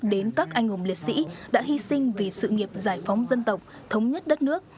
đến các anh hùng liệt sĩ đã hy sinh vì sự nghiệp giải phóng dân tộc thống nhất đất nước